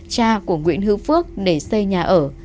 cha của nguyễn hữu phước để xây nhà ở